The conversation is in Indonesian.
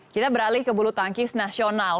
kita beralih ke bulu tangkis nasional